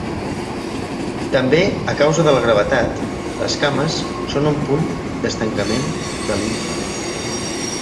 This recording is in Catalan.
També a causa de la gravetat, les cames són un punt d'estancament de limfa.